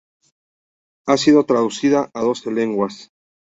Ha sido traducida a doce lenguas.